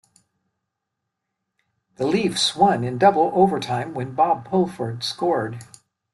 The Leafs won in double overtime when Bob Pulford scored.